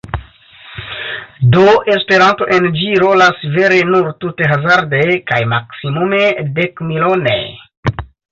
Do Esperanto en ĝi rolas vere nur tute hazarde kaj maksimume dekmilone.